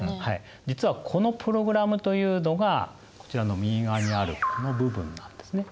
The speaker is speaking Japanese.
実はこのプログラムというのがこちらの右側にあるこの部分なんですね。